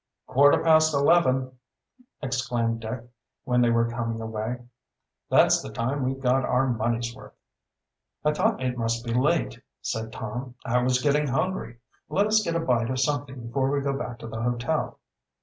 "Quarter past eleven!" exclaimed Dick, when they were coming away. "That's the time we got our money's worth." "I thought it must be late," said Tom. "I was getting hungry. Let us get a bite of something before we go back to the hotel."